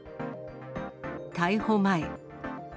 逮捕前。